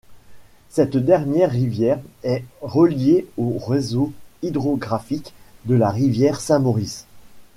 Cette dernière rivière est reliée au réseau hydrographique de la rivière Saint-Maurice.